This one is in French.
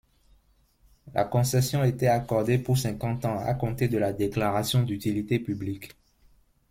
La concession était accordée pour cinquante ans, à compter de la déclaration d'utilité publique.